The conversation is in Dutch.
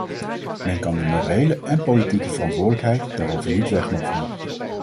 Men kan de morele en politieke verantwoordelijkheid daarvoor niet wegmoffelen.